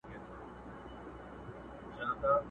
پکښي تېر مي کړل تر سلو زیات کلونه!